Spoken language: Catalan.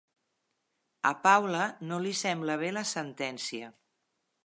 A Paula no li sembla bé la sentència